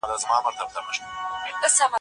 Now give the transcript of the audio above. دا موبایل له هغه ګټور دی.